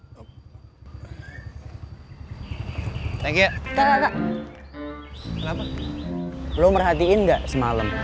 terima kasih terima kasih lu merhatiin enggak semalam